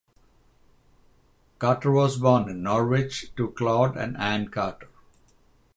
Carter was born in Norwich to Claude and Anne Carter.